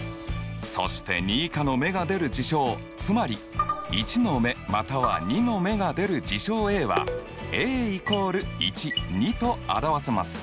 そして２以下の目が出る事象つまり１の目または２の目が出る事象Ａはと表せます。